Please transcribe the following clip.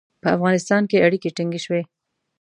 په افغانستان کې اړیکي ټینګ شول.